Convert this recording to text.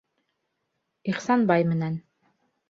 Ихсанбай менән...